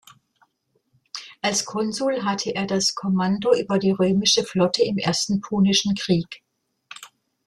Als Konsul hatte er das Kommando über die römische Flotte im Ersten Punischen Krieg.